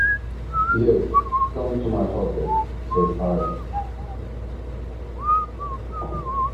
"Yes; come to my hotel," said Harry.